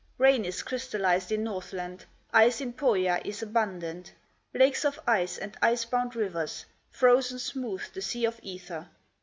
Rain is crystallized in Northland, Ice in Pohya is abundant, Lakes of ice and ice bound rivers, Frozen smooth, the sea of ether.